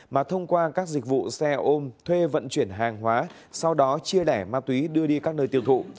mà thông qua các dịch vụ xe ôm thuê vận chuyển hàng hóa sau đó chia đẻ ma túy đưa đi các nơi tiêu thụ